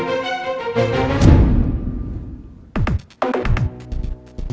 udah ngeri ngeri aja